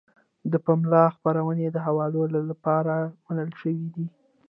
د پملا خپرونې د حوالو لپاره منل شوې دي.